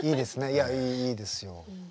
いやいいですよ。